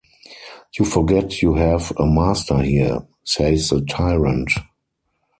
“You forget you have a master here,” says the tyrant.